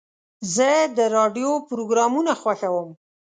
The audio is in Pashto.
زه د راډیو پروګرامونه خوښوم.